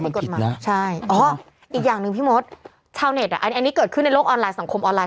มันอยู่ที่เจตนาของคนถ่าย